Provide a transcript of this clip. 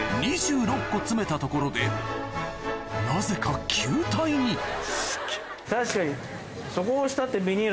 ２６個詰めたところでなぜか球体に確かに。